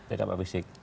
tidak sampai fisik